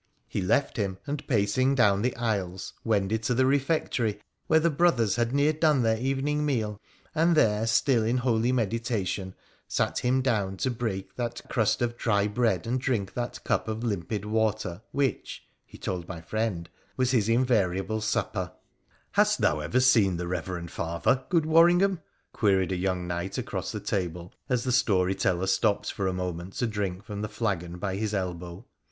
' He left him, and, pacing down the aisles, wended to the refectory, where the brothers had near done their evening meal, and there, still in holy meditation, sat him down to break that crust of dry bread and drink that cup of limpid water which (he told my friend) was his invariable supper.' I S3 WONDERFUL ADVENTURES OF ' Hast thou ever seen the reverend father, good Worring ham ?' queried a young knight across the table as the story teller stopped for a moment to drink from the flagon by his elbow.